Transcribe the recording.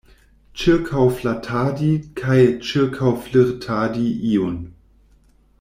Ĉirkaŭflatadi kaj ĉirkaŭflirtadi iun.